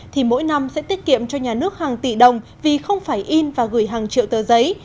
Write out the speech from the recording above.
thì mỗi năm sẽ tiết kiệm cho nhà nước hàng tỷ đồng vì không phải in và gửi hàng triệu tờ giấy